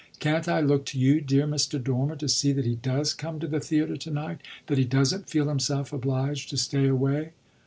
Can't I look to you, dear Mr. Dormer, to see that he does come to the theatre to night that he doesn't feel himself obliged to stay away?"